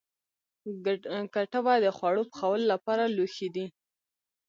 کټوه د خواړو پخولو لپاره لوښی دی